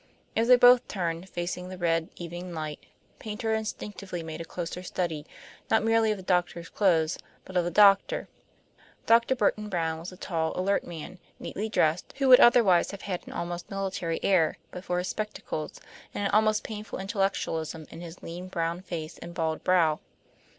As they both turned, facing the red evening light, Paynter instinctively made a closer study, not merely of the doctor's clothes, but of the doctor. Dr. Burton Brown was a tall, alert man, neatly dressed, who would otherwise have had an almost military air but for his spectacles and an almost painful intellectualism in his lean brown face and bald brow.